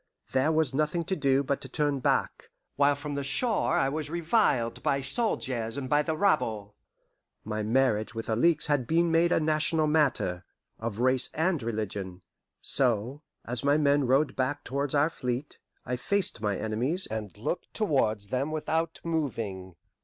There was nothing to do, but to turn back, while from the shore I was reviled by soldiers and by the rabble. My marriage with Alixe had been made a national matter of race and religion. So, as my men rowed back towards our fleet, I faced my enemies, and looked towards them without moving.